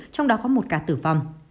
trong đó có một ca tử vong